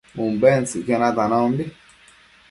Umbentsëcquio natanombi